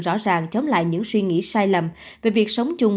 rõ ràng chống lại những suy nghĩ sai lầm về việc sống chung